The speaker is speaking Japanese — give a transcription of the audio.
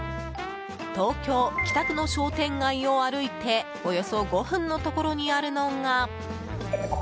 東京・北区の商店街を歩いておよそ５分のところにあるのが。